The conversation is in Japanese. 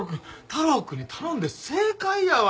太郎くんに頼んで正解やわ！